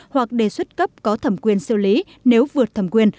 hoặc đề xuất cấp có thẩm quyền xử lý nếu vượt thẩm quyền